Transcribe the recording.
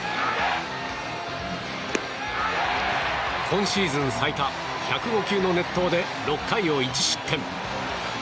今シーズン最多１０５球の熱投で６回を１失点。